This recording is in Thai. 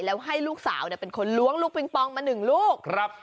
แล้วให้ลูกสาวเป็นคนล้วงลูกปริงปองมาหนึ่งลูก